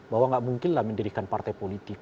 bahwa nggak mungkinlah mendirikan partai politik